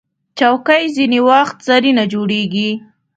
چوکۍ ځینې وخت زرینه جوړیږي.